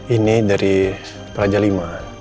ini dari praja v